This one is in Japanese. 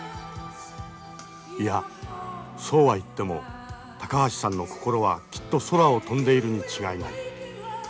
いやそうは言っても高橋さんの心はきっと空を飛んでいるに違いない。